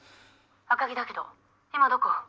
☎赤城だけど今どこ？